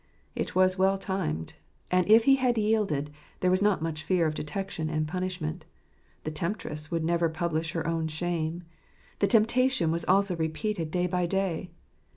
It was well timed, and if he had yielded, there was not much fear of detection and punishment; the temptress would never publish her own shame. The temptation was also repeated day by day.